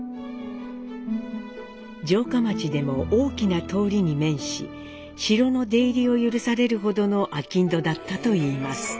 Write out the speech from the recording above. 城下町でも大きな通りに面し城の出入りを許されるほどの商人だったといいます。